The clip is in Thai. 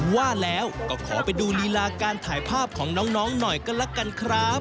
ว่าแล้วก็ขอไปดูลีลาการถ่ายภาพของน้องหน่อยก็แล้วกันครับ